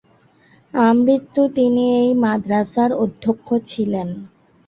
আমৃত্যু তিনি এই মাদ্রাসার অধ্যক্ষ ছিলেন।